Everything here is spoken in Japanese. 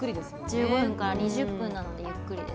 １５２０分なのでゆっくりですね。